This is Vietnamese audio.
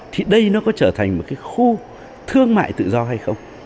thì đây nó có trở thành một cái khu thương mại tự do hay không